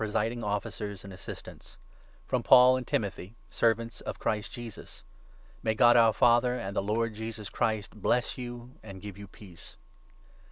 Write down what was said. siding Officers and Assistants, FROM Paul and Timothy, servants of Christ Jesus. May God, our Father, and the Lord Jesus Christ bless you, and 2 give you peace.